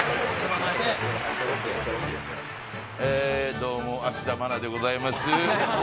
どうも、芦田愛菜でございます。